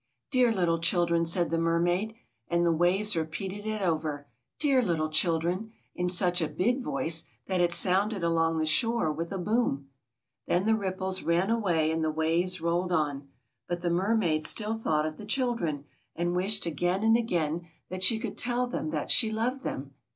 "Dear little children!" said the mermaid. And the waves repeated it over: "Dear little children!" in such a big voice that it sounded along the shore with a boom. Then the ripples ran away and the waves rolled on; but the mermaid still thought of the children, and wished again and again that she could tell them that she loved them.